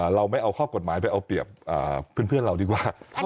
เราไม่เอาข้อกฎหมายไปเอาเปรียบเพื่อนเราดีกว่า